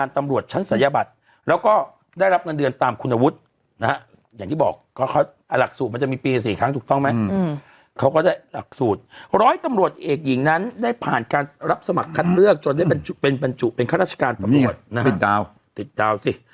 ตำรวจเอกหญิงนั้นได้ผ่านการรับสมัครคัดเลือกจนได้เป็นบรรจุเป็นข้าราชการตำรวจนะติดดาวติดดาวสิ